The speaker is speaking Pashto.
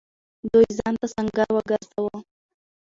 دوی ځان ته سنګر وگرځاوه.